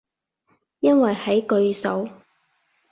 因為喺句首